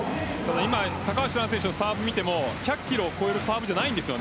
今高橋藍選手のサーブを見ても１００キロを超えるサーブじゃないんです。